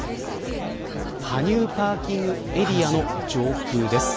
羽生パーキングエリアの上空です。